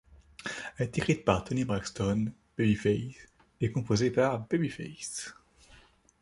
Elle est écrite par Toni Braxton, Babyface et composée par Babyface.